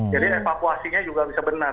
jadi evakuasinya juga bisa benar